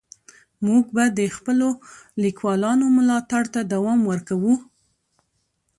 موږ به د خپلو لیکوالانو ملاتړ ته دوام ورکوو.